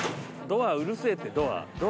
ドアうるせえって。